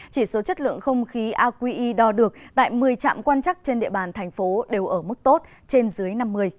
chỉ số chất lượng không khí aqi đo được tại một mươi trạm quan chắc trên địa bàn thành phố đều ở mức tốt trên dưới năm mươi